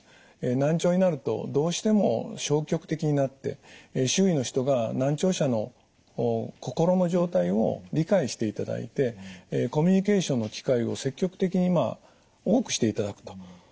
難聴になるとどうしても消極的になって周囲の人が難聴者の心の状態を理解していただいてコミュニケーションの機会を積極的に多くしていただくと。